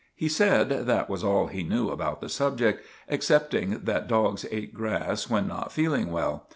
He said that was all he knew about the subject, excepting that dogs ate grass when not feeling well.